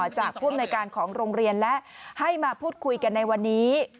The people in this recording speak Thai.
จากผู้อำนวยการของโรงเรียนและให้มาพูดคุยกันในวันนี้